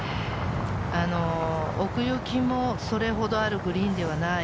奥行きもそれほどあるグリーンではない。